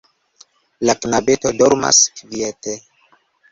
La knabeto dormas kviete.